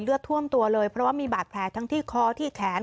ท่วมตัวเลยเพราะว่ามีบาดแผลทั้งที่คอที่แขน